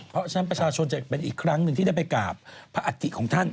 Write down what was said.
เพราะฉะนั้นประชาชนจะเป็นอีกครั้งหนึ่งที่ได้ไปกราบพระอัฐิของท่าน